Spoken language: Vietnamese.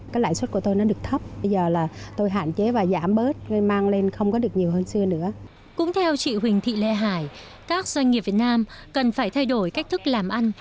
cũng theo chị huỳnh thị lê hải các doanh nghiệp việt nam cần phải thay đổi cách thức làm ăn